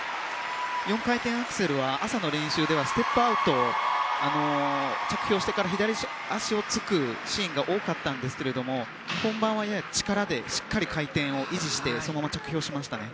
４回転アクセルは朝の練習ではステップアウト着氷してから左足をつくシーンが多かったんですが本番は力でしっかり回転を維持しそのまま着氷しました。